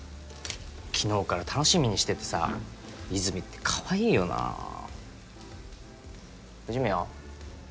昨日から楽しみにしててさ和泉ってかわいいよな藤宮？